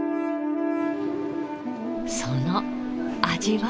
その味は？